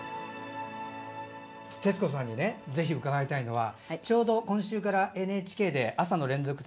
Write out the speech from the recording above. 徹子さんにぜひ伺いたいのは。